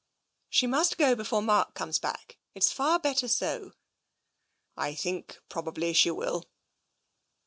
" She must go before Mark comes back. It's far better so." " I think probably she will."